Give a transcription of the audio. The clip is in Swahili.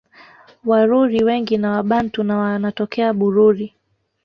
Waruri wengi ni Wabantu na wanatokea Bururi